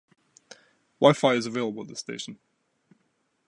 Wi-Fi is available at this station.